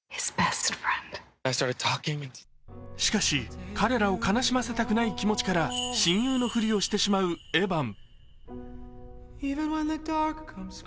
しかし、彼らを悲しませたくない気持ちから親友のふりをしてしまうエヴァン。